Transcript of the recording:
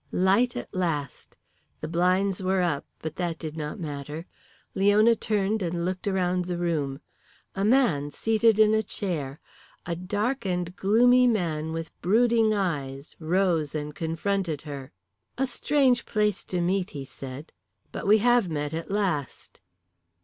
Light at last. The blinds were up, but that did not matter. Leona turned and looked round the room. A man, seated in a chair, a dark and gloomy man with brooding eyes, rose and confronted her. "A strange place to meet," he said, "but we have met at last."